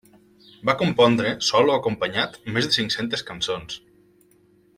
Va compondre, sol o acompanyat, més de cinc-centes cançons.